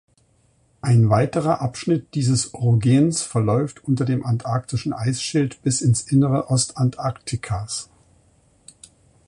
Ein weiterer Abschnitt dieses Orogens verläuft unter dem Antarktischen Eisschild bis ins innere Ostantarktikas.